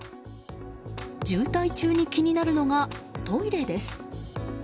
渋滞中に気になるのがトイレです。